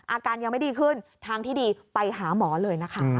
อาการยังไม่ดีขึ้นทางที่ดีไปหาหมอเลยนะคะ